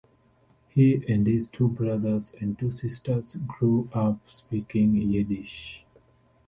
He and his two brothers and two sisters grew up speaking Yiddish.